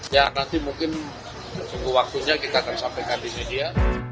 ya nanti mungkin waktunya kita akan sampaikan di media